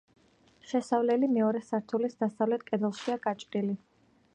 შესასვლელი მეორე სართულის დასავლეთ კედელშია გაჭრილი.